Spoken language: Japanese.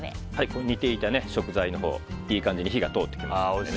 煮ていた食材のほういい感じに火が通ってます。